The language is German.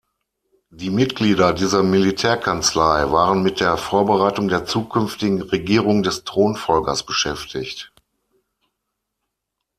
Die Mitglieder dieser Militärkanzlei waren mit der Vorbereitung der zukünftigen Regierung des Thronfolgers beschäftigt.